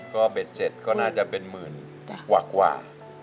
ก็เบส๗ก็น่าจะเป็นหมื่นกว่ากว่า